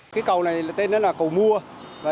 cái cầu này tên đó là cầu mua